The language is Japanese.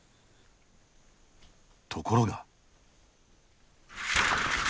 ところが。